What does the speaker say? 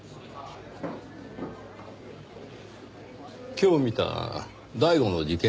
今日見た第五の事件